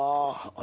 あ。